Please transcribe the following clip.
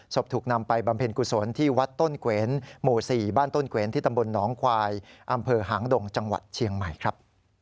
ถูกนำไปบำเพ็ญกุศลที่วัดต้นเกวนหมู่๔บ้านต้นเกวนที่ตำบลหนองควายอำเภอหางดงจังหวัดเชียงใหม่ครับ